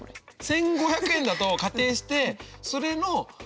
１５００円だと仮定してそれの４０。